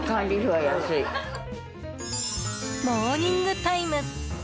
モーニングタイム。